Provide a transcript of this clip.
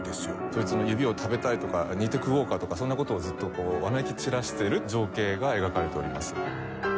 「そいつの指を食べたい」とか「煮て食おうか」とかそんな事をずっとこうわめき散らしてる情景が描かれております。